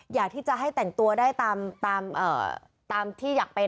อยากที่จะให้แต่งตัวได้ตามที่อยากเป็น